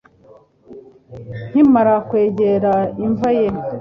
Nkimara kwegera imva ye